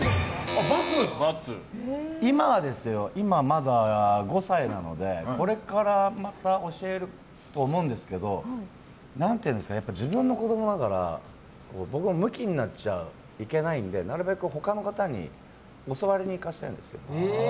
今はまだ５歳なのでこれからまた教えると思うんですけど自分の子供だから僕もむきになっちゃいけないのでなるべく他の方に教わりに行かせてるんですよ。